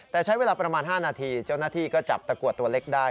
แต่ใช้เวลาประมาณ๕นาทีเจ้าหน้าที่ก็จับตะกรวดตัวเล็กได้